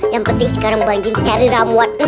yang penting sekarang bang jim cari ramuan